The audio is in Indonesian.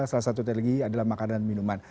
salah satu teknologi adalah makanan minuman